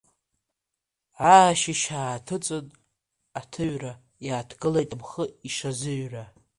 Аашьышь ааҭыҵын аҭыҩра, иааҭгылеит амхы ишазыҩра.